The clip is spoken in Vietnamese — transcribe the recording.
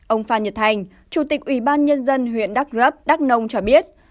ông phan nhật thành chủ tịch ủy ban nhân dân huyện đắk rấp đắk nông cho biết